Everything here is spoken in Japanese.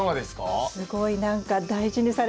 すごい何か大事にされてますね。